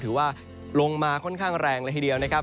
ถือว่าลงมาค่อนข้างแรงเลยทีเดียวนะครับ